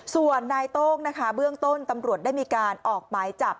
ส่วนนายโต้งนะคะเบื้องต้นตำรวจได้มีการออกหมายจับ